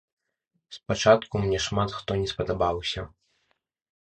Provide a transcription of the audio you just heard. Спачатку мне шмат хто не спадабаўся.